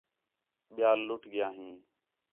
ٻِیال لُٹ ڳِیا ہیں